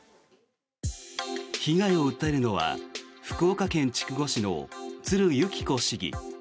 被害を訴えるのは福岡県筑後市の鶴佑季子市議。